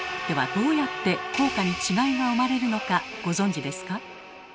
ではどうやって効果に違いが生まれるのかご存じですか？